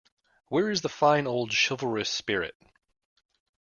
Where is the fine, old, chivalrous spirit?